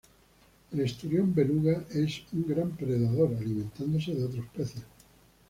El esturión beluga es un gran predador, alimentándose de otros peces.